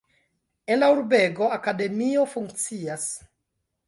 En la urbego akademio funkcias.